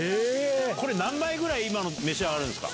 これ何枚ぐらい召し上がるんですか？